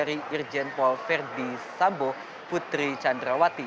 irjen polis verisambu putri candrawati